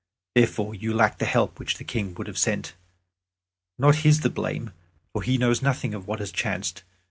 Therefore you lack the help which the King would have sent. Not his the blame, for he knows nothing of what has chanced.